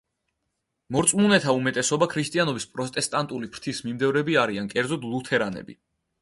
მორწმუნეთა უმეტესობა ქრისტიანობის პროტესტანტული ფრთის მიმდევრები არიან, კერძოდ ლუთერანები.